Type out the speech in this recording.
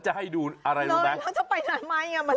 จะให้ดูอะไรแล้วแมม